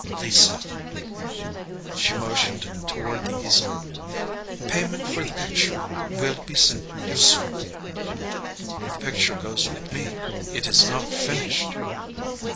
"Lisa " She motioned toward the easel. "Payment for the picture will be sent you soon." "The picture goes with me. It is not finished."